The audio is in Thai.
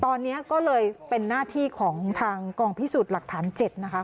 ตอนนี้ก็เลยเป็นหน้าที่ของทางกองพิสูจน์หลักฐาน๗นะคะ